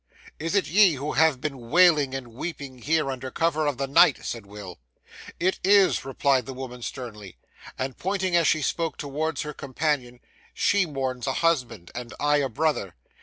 'Is it ye who have been wailing and weeping here under cover of the night?' said Will. 'It is,' replied the woman sternly; and pointing, as she spoke, towards her companion, 'she mourns a husband, and I a brother.